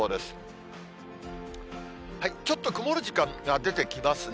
ちょっと曇る時間が出てきますね。